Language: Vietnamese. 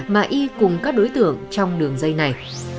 mà y cùng các đối tượng trong đường dây này